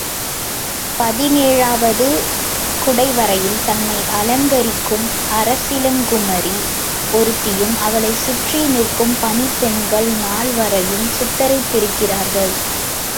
பதினேழாவது குடைவரையில் தன்னை அலங்கரிக்கும் அரசிளங்குமரி ஒருத்தியும் அவளைச் சுற்றி நிற்கும் பணிப் பெண்கள் நால்வரையும் சித்திரித்திருக்கிறார்கள்.